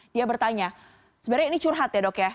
dia bertanya sebenarnya ini curhat ya dok ya